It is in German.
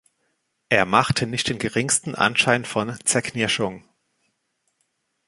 Er machte nicht den geringsten Anschein von Zerknirschung.